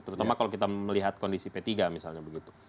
terutama kalau kita melihat kondisi p tiga misalnya begitu